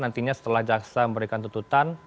nantinya setelah jaksa memberikan tututan